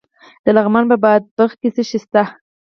د لغمان په بادپخ کې څه شی شته؟